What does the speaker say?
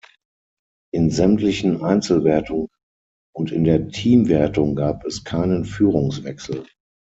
In sämtlichen Einzelwertungen und in der Teamwertung gab es keinen Führungswechsel.